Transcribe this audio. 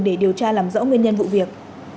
để điều tra làm rõ nguyên nhân vụ việc